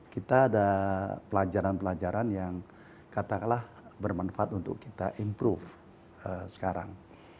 kita ada pelajaran pelajaran yang katakanlah bermanfaat untuk kita improve sekarang